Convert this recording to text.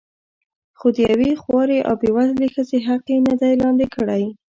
خو د یوې خوارې او بې وزلې ښځې حق یې نه دی لاندې کړی.